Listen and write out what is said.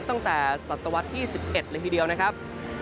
ตั้งแต่ศตวรรษที่๑๑เลยทีเดียวนะครับ